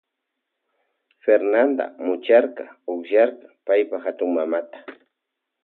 Fernanda mucharka ukllarka paypa hatunmamata.